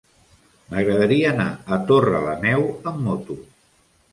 M'agradaria anar a Torrelameu amb moto.